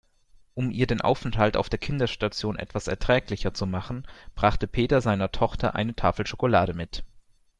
Um ihr den Aufenthalt auf der Kinderstation etwas erträglicher zu machen, brachte Peter seiner Tochter eine Tafel Schokolade mit.